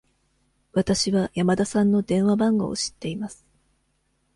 わたしは山田さんの電話番号を知っています。